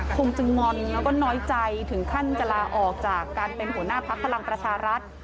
คงจะงอนแล้วก็น้อยใจถึงขั้นจะลาออกจากการเป็นหัวหน้าพักพลังประชารัฐ